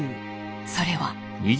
それは。